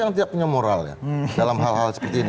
yang tidak punya moral ya dalam hal hal seperti ini